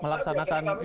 ya maksudnya salah